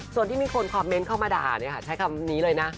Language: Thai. ส่วนที่มีคนคอมเมนต์เข้ามาด่าใช้คำนี้เลยนะ